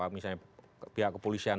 misalnya pihak kepolisian